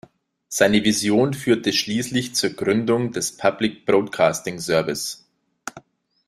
Seine Vision führte schließlich zur Gründung des Public Broadcasting Service.